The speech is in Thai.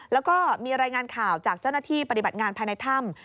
แล้วก็มีรายงานข่าวจากเจ้าหน้าที่ปฏิบัติงานภายในถ้ำ